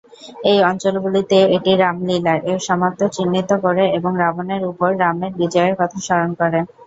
এই অঞ্চলগুলিতে এটি "রামলীলা"-এর সমাপ্তি চিহ্নিত করে এবং রাবণের উপর রামের বিজয়ের কথা স্মরণ করে।